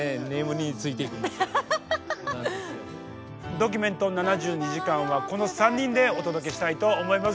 「ドキュメント７２時間」はこの３人でお届けしたいと思います。